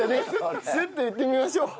スッと言ってみましょう。